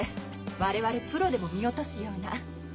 我々プロでも見落とすような。